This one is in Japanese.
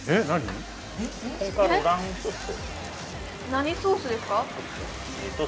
何ソースですか？